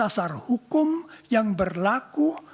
atas tasar hukum yang berlaku